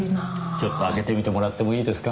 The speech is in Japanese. ちょっと開けてみてもらってもいいですか？